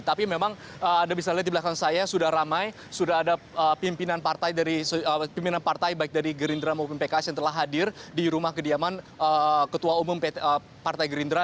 tapi memang anda bisa lihat di belakang saya sudah ramai sudah ada pimpinan partai baik dari gerindra maupun pks yang telah hadir di rumah kediaman ketua umum partai gerindra